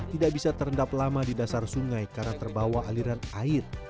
tidak bisa terendap lama di dasar sungai karena terbawa aliran air